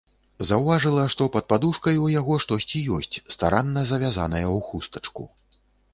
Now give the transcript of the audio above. Заўважыла, што пад падушкай у яго штосьці ёсць, старанна завязанае ў хустачку.